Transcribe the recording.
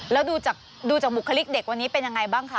แล้วดูจากบุคลิกเด็กวันนี้เป็นยังไงบ้างคะ